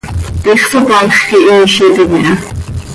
Tiix Socaaix quihiizitim iha.